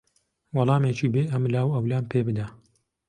وەڵامێکی بێ ئەملاوئەولام پێ بدە.